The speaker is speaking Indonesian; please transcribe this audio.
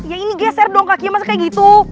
ya ini geser dong kaki emas kayak gitu